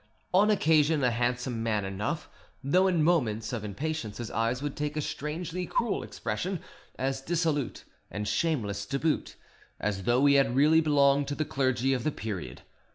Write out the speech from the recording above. ] on occasion, a handsome man enough, though in moments of impatience his eyes would take a strangely cruel expression; as dissolute and shameless to boot, as though he had really belonged to the clergy of the period.